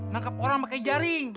nangkep orang pake jaring